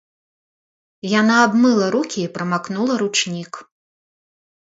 Яна абмыла рукі і прамакнула ручнік.